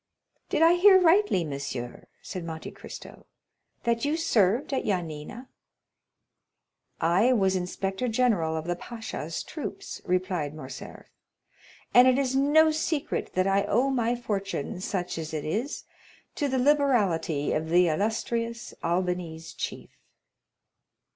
"Did I hear rightly, monsieur," said Monte Cristo "that you served at Yanina?" "I was inspector general of the pasha's troops," replied Morcerf; "and it is no secret that I owe my fortune, such as it is, to the liberality of the illustrious Albanese chief."